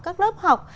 các lớp học